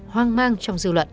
hoang mang trong dự luận